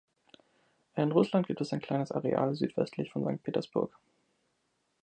In Russland gibt es ein kleines Areal südwestlich von Sankt Petersburg.